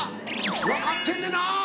分かってんねんな！